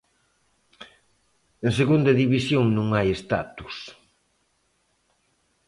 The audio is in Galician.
En Segunda División non hai status.